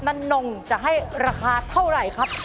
นั่นนงจะให้ราคาเท่าไหร่ครับ